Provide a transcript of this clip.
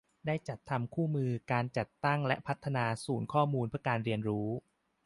ได้จัดทำคู่มือการจัดตั้งและพัฒนาศูนย์ข้อมูลเพื่อการเรียนรู้